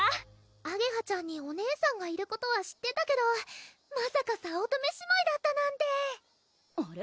あげはちゃんにお姉さんがいることは知ってたけどまさか早乙女姉妹だったなんてあれ？